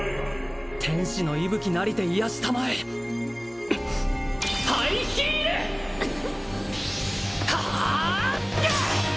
天使の息吹なりて癒やし給えハイヒール！はああやあっ！